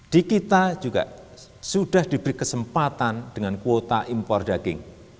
di kita juga sudah diberi kesempatan dengan kuota impor daging